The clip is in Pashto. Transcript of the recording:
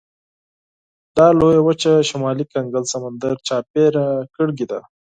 دا لویه وچه شمالي کنګل سمندر چاپېره کړې ده.